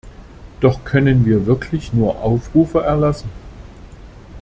Doch können wir wirklich nur Aufrufe erlassen?